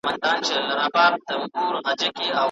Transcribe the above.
سیاست د قدرت او حکومت کولو لاري چاري لټوي.